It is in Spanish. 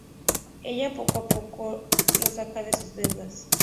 Ella poco a poco lo saca de sus deudas.